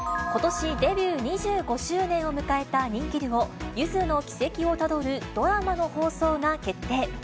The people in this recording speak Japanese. ことしデビュー２５周年を迎えた人気デュオ、ゆずの軌跡をたどるドラマの放送が決定。